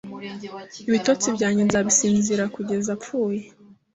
ibitotsi byanjye nzabisinzira kugeza apfuye